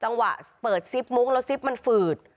จังหวะเปิดซิปมุ้งแล้วซิปมันฝืด